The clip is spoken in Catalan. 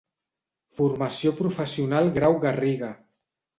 Formació Professional Grau Garriga.